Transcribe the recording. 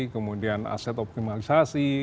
kemudian aset optimalisasi